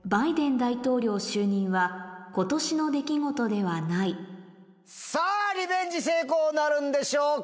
大統領就任は今年の出来事ではないさぁリベンジ成功なるんでしょうか？